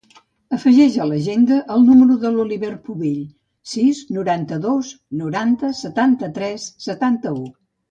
Afegeix a l'agenda el número de l'Oliver Pubill: sis, noranta-dos, noranta, setanta-tres, setanta-u.